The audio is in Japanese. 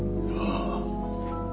ああ。